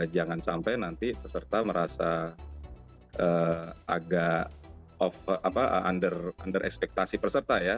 jangan sampai nanti peserta merasa agak under ekspektasi peserta ya